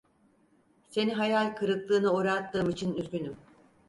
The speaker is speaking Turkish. Seni hayal kırıklığına uğrattığım için üzgünüm.